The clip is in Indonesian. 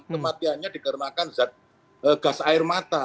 kematiannya dikarenakan zat gas air mata